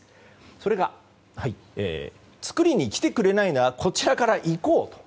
それが、作りに来てくれないならこちらから行こうと。